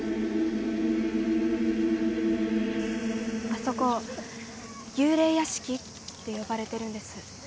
あそこ幽霊屋敷って呼ばれてるんです。